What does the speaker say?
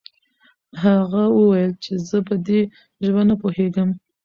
هغه وويل چې زه په دې ژبه نه پوهېږم.